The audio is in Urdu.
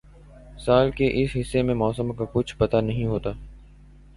سال کے اس حصے میں موسم کا کچھ پتا نہیں ہوتا